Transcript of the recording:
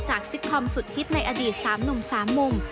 จากสิตคอมสุดฮิตในอดีตสามหนุ่มสามมุม